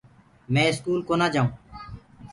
مي اسڪول ڪونآئونٚ جآئونٚ